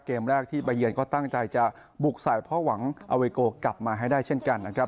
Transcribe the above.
เกมแรกที่ไปเยือนก็ตั้งใจจะบุกใส่เพราะหวังอาเวโกกลับมาให้ได้เช่นกันนะครับ